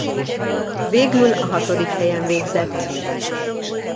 Végül a hatodik helyen végzett.